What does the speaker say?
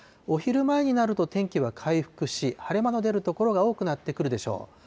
お昼前になると天気は回復し、晴れ間の出る所が多くなってくるでしょう。